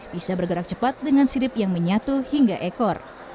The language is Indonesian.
bisa bergerak cepat dengan sirip yang menyatu hingga ekor